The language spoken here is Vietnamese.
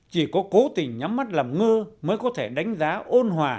chỉ có cố tình nhắm mắt làm ngơ mới có thể đánh giá ôn hòa